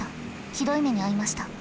ひどい目に遭いました。